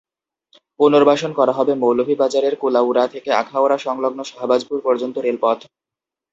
পুনর্বাসন করা হবে মৌলভীবাজারের কুলাউড়া থেকে আখাউড়া সংলগ্ন শাহবাজপুর পর্যন্ত রেলপথ।